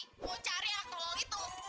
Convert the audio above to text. mau cari anak lo itu